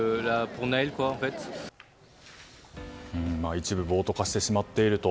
一部暴徒化してしまっていると。